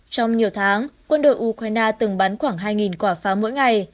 trong nhiều tháng quân đội ukraine từng bắn khoảng hai quả phá mỗi ngày